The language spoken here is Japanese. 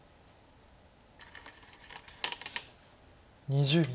２０秒。